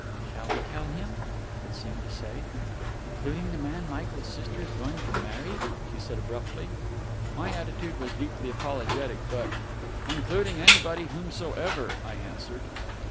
"Shall we tell him?" it seemed to say.... "Including the man Michael's sister is going to marry?" she said abruptly. My attitude was deeply apologetic, but, "Including anybody whomsoever," I answered.